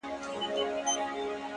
ستا پر ځنگانه اكثر،